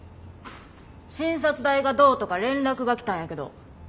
診察代がどうとか連絡が来たんやけど。